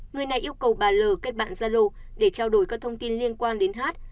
người này yêu cầu bà l kết bạn gia lô để trao đổi các thông tin liên quan đến hát